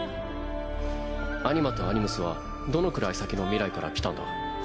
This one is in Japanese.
アニマとアニムスはどのくらい先の未来から来たんだ？